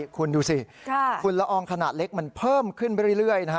คุณดูสิฝุ่นละอองขนาดเล็กมันเพิ่มขึ้นไปเรื่อยนะฮะ